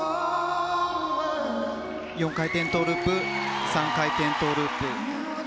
４回転トウループ３回転トウループ。